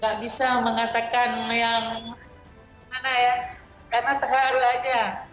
gak bisa mengatakan yang mana ya karena terharu aja